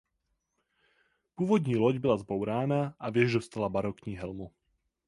Původní loď byla zbourána a věž dostala barokní helmu.